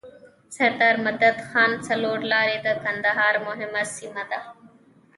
سردار مدد خان څلور لاری د کندهار مهمه سیمه ده.